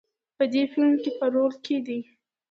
په دې فیلم کې په رول کې دی.